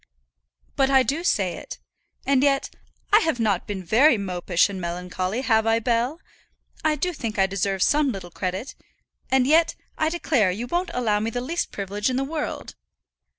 "But I do say it. And yet I have not been very mopish and melancholy; have I, Bell? I do think I deserve some little credit, and yet, I declare, you won't allow me the least privilege in the world."